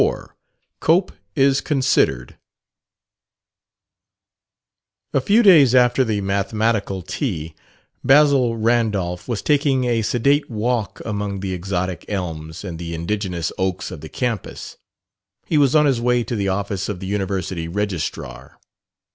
4 COPE IS CONSIDERED A few days after the mathematical tea, Basil Randolph was taking a sedate walk among the exotic elms and the indigenous oaks of the campus; he was on his way to the office of the University registrar.